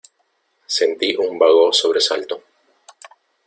sentí un vago sobresalto.